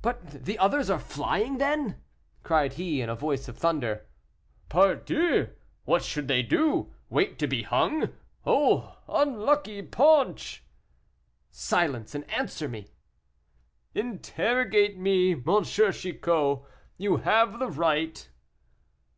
"But the others are flying, then?" cried he, in a voice of thunder. "Pardieu! what should they do? Wait to be hung? Oh! unlucky paunch!" "Silence, and answer me." "Interrogate me, M. Chicot; you have the right."